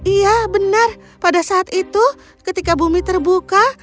iya benar pada saat itu ketika bumi terbuka